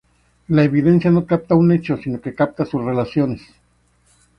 La evidencia no capta un hecho, sino que capta sus relaciones.